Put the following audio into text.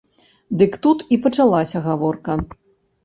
Дык тут і пачалася гаворка.